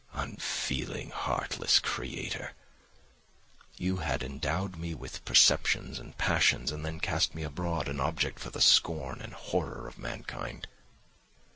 Unfeeling, heartless creator! You had endowed me with perceptions and passions and then cast me abroad an object for the scorn and horror of mankind.